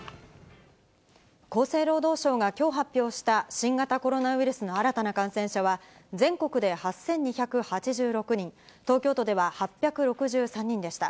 厚生労働省がきょう発表した新型コロナウイルスの新たな感染者は、全国で８２８６人、東京都では８６３人でした。